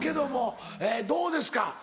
どうですか？